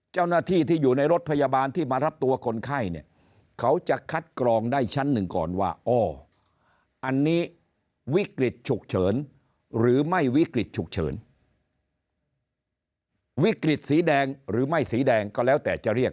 เจ้าหน้าที่ที่อยู่ในรถพยาบาลที่มารับตัวกรไข้เนี่ย